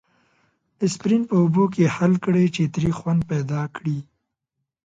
اسپرین په اوبو کې حل کړئ چې تریخ خوند پیدا کړي.